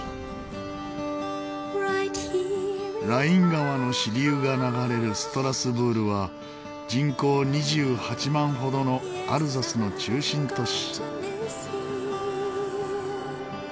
ライン川の支流が流れるストラスブールは人口２８万ほどのアルザスの中心都市。